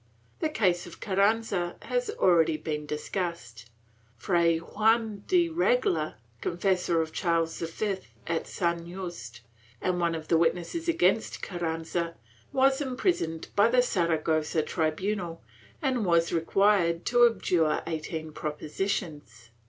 The case of Carranza has already been discussed. Fray Juan de Regla, confessor of Charles V at San Yuste, and one of the witnesses against Carranza, was imprisoned by the Sara gossa tribunal and was required to abjure eighteen propositions.